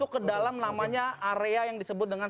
masuk ke dalam namanya area yang disebut dengan